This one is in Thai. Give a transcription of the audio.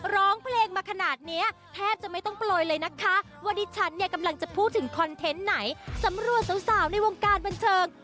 ร้องเพลงมาขนาดนี้แทบจะไม่ต้องโปรยเลยนะคะว่าดิฉันเนี่ยกำลังจะพูดถึงคอนเทนต์ไหนสำรวจสาวในวงการบันเทิง